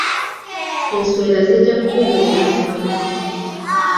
Enswera zijja kukugenda mu kamwa